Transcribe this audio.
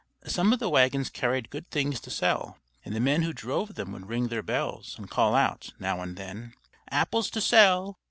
Some of the wagons carried good things to sell; and the men who drove them would ring their bells, and call out, now and then: "Apples to sell!